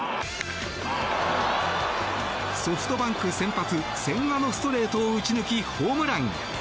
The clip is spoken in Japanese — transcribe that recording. ソフトバンク先発、千賀のストレートを打ち抜きホームラン。